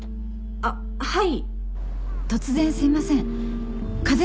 あっはい。